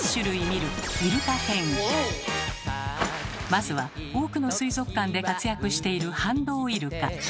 まずは多くの水族館で活躍しているハンドウイルカ。